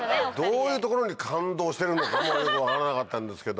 どういうところに感動してるのかよく分からなかったんですけど。